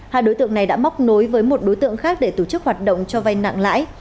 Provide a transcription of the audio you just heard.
hai đối tượng này đã móc nối với một đối tượng khác để tổ chức hoạt động cho vay nặng lãi